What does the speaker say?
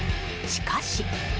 しかし。